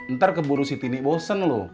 ntar keburu si tini bosen lu